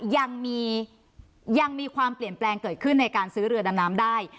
ยังมีความเปลี่ยนแปลงเกิดขึ้นในการซื้อเรือดำน้ำได้